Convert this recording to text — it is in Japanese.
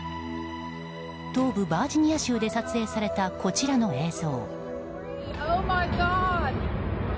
東部バージニア州で撮影されたこちらの映像。